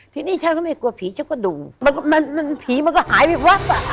ทีนี้ฉันก็ไม่กลัวผีฉันก็ดูมันก็มันมันผีมันก็หายไปว๊ะ